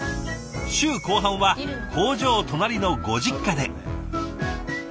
週後半は工場隣のご実家で。